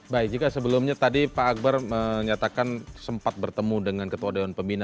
baik jika sebelumnya tadi pak akbar menyatakan sempat bertemu dengan ketua dewan pembina